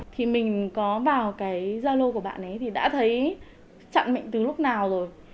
thì mình có vào cái zalo của bạn ấy thì đã thấy chặn mệnh từ lúc nào rồi